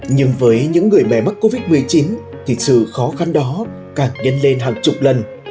nhưng với những người mẹ mắc covid một mươi chín thì sự khó khăn đó càng nhân lên hàng chục lần